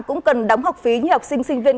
cũng cần đóng học phí như học sinh sinh viên